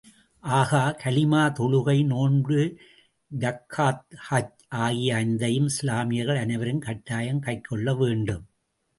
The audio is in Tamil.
ஆகக் கலிமா, தொழுகை, நோன்பு, ஜக்காத், ஹஜ் ஆகிய ஐந்தையும் இஸ்லாமியர்கள் அனைவரும் கட்டாயம் கைக்கொள்ள வேண்டும்.